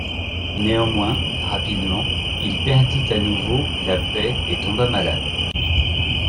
Néanmoins, rapidement, il perdit à nouveau la paix et tomba malade.